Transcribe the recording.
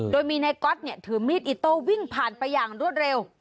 โดยมีนายก๊อตถือมีดอิโต้วิ่งผ่านไปอย่างรวดเร็ว